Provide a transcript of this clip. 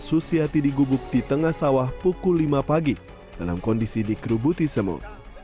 susiati digubuk di tengah sawah pukul lima pagi dalam kondisi dikerubuti semu